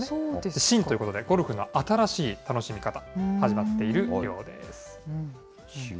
シンということで、ゴルフの新しい楽しみ方、始まっているようです。